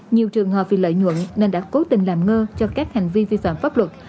nhiều trường hợp vì lợi nhuận nên đã cố tình làm ngơ cho các hành vi vi phạm pháp luật